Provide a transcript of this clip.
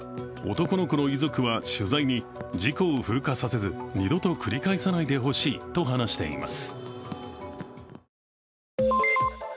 男の子の遺族は取材に事故を風化させず二度と繰り返さないでほしいと話しています。